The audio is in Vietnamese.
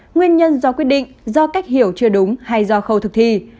nguyên nhân do quyết định do cách hiểu chưa đúng hay do khâu thực thi